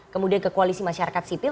kemudian ke koalisi masyarakat sipil